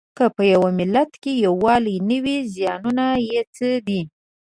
که په یوه ملت کې یووالی نه وي زیانونه یې څه دي؟